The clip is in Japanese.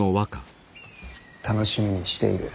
楽しみにしている。